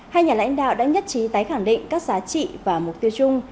hai nhà lãnh đạo đã nhất trí tái khẳng định các giá trị và mục tiêu chung